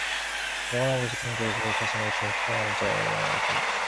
무화과나무를 지키는 자는 그 과실을 먹고 자기 주인을 시종하는 자는 영화를 얻느니라